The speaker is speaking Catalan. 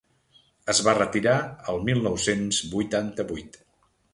Es va retirar el mil nou-cents vuitanta-vuit.